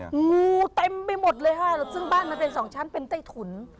งูเต็มไปหมดเลยค่ะซึ่งบ้านมันเป็นสองชั้นเป็นใต้ถุน